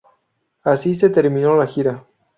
Así se terminó la gira.